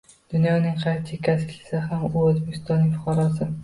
Dunyoning qaysi chekkasida ishlasa ham u O‘zbekistonning fuqarosi